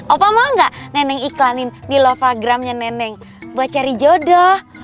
opa mau gak nenek iklanin di loveagramnya nenek buat cari jodoh